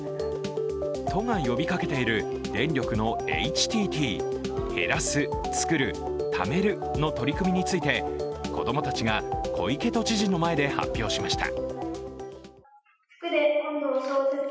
都が呼びかけている電力のＨＴＴ＝減らす・創る・蓄めるの取り組みについて子供たちが小池都知事の前で発表しました。